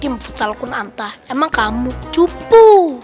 tim futsal kunanta emang kamu cupu